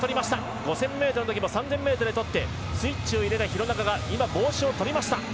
５０００ｍの時も３０００ｍの時にとってスイッチを入れた廣中が帽子を取りました。